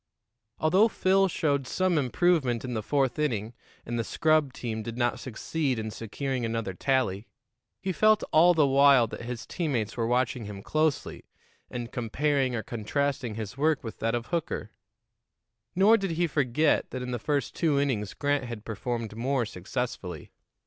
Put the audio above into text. Although Phil showed some improvement in the fourth inning, and the scrub team did not succeed in securing another tally, he felt all the while that his teammates were watching him closely and comparing or contrasting his work with that of Hooker; nor did he forget that in the first two innings Grant had performed more successfully.